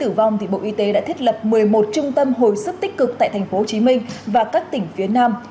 thưa quý vị để hạn chế tử vong bộ y tế đã thiết lập một mươi một trung tâm hồi sức tích cực tại tp hcm và các tỉnh phía nam